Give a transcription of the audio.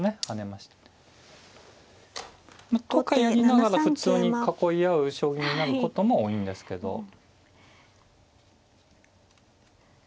跳ねましたね。とか言いながら普通に囲い合う将棋になることも多いんですけど。